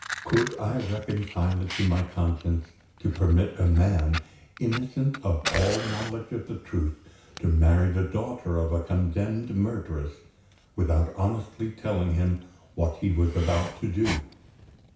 Could I reconcile it to my conscience to permit a man, innocent of all knowledge of the truth, to marry the daughter of a condemned murderess, without honestly telling him what he was about to do?